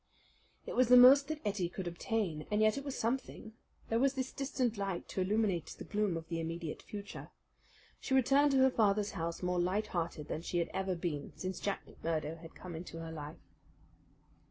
It was the most that Ettie could obtain, and yet it was something. There was this distant light to illuminate the gloom of the immediate future. She returned to her father's house more light hearted than she had ever been since Jack McMurdo had come into her life.